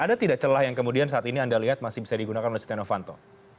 ada tidak celah yang kemudian saat ini anda lihat masih bisa digunakan oleh setia novanto